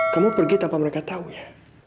kamu pergi tanpa mereka tahu ya